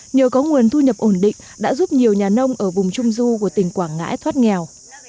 nhờ có nguồn thu nhập ổn định đã giúp nhiều nhà nông ở vùng trung du của tỉnh quảng ngãi thoát nghèo